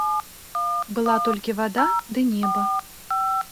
Была толькі вада ды неба.